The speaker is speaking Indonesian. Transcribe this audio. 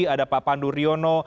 ada pak pandu riono